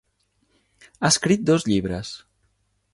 Ha escrit dos llibres.